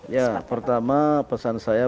ya pertama pesan saya